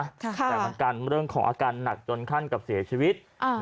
แต่มันกันเรื่องของอาการหนักจนขั้นกับเสียชีวิต